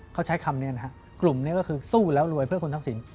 เขาใช้คำนี้นะครับกลุ่มนี้ก็คือสู้แล้วรวยเพื่อคุณทักษิณ